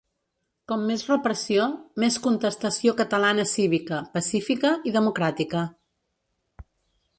Com més repressió, més contestació catalana cívica, pacífica i democràtica.